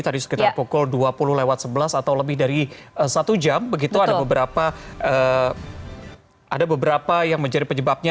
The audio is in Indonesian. tadi sekitar pukul dua puluh lewat sebelas atau lebih dari satu jam begitu ada beberapa ada beberapa yang menjadi penyebabnya